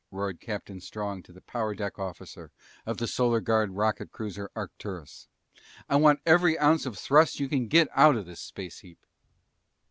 roared Captain Strong to the power deck officer of the Solar Guard rocket cruiser Arcturus. "I want every ounce of thrust you can get out of this space heap!"